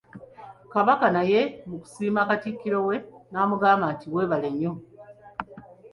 Kabaka naye mu kusiima Katikkiro we, n'amugamba nti weebale nnyo.